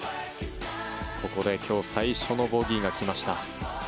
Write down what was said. ここで今日最初のボギーが来ました。